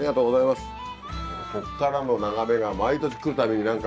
こっからの眺めが毎年来るたびに何か。